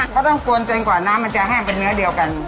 เขาต้องกวนจนกว่าน้ำมันจะแห้งเป็นเนื้อเดียวกัน